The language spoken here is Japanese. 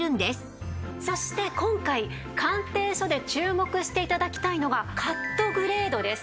そして今回鑑定書で注目して頂きたいのがカットグレードです。